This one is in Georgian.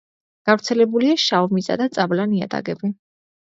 გავრცელებულია შავმიწა და წაბლა ნიადაგები.